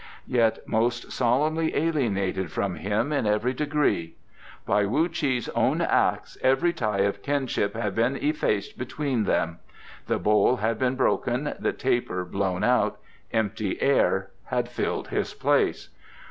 Yet most solemnly alienated from him in every degree. By Wu Chi's own acts every tie of kinship had been effaced between them: the bowl had been broken, the taper blown out, empty air had filled his place.